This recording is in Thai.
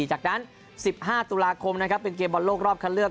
จากนั้น๑๕ตุลาคมนะครับเป็นเกมบอลโลกรอบคันเลือก